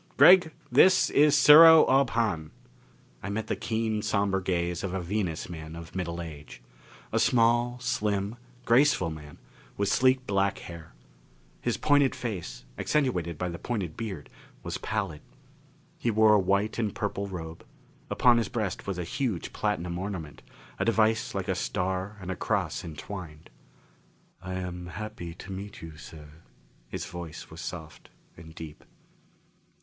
Gregg, this is Sero Ob Hahn." I met the keen, somber gaze of a Venus man of middle age. A small, slim graceful man, with sleek black hair. His pointed face, accentuated by the pointed beard, was pallid. He wore a white and purple robe; upon his breast was a huge platinum ornament, a device like a star and cross entwined. "I am happy to meet you, sir." His voice was soft and deep.